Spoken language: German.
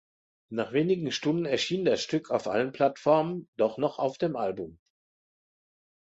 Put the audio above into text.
Nach wenigen Stunden erschien das Stück auf allen Plattformen doch noch auf dem Album.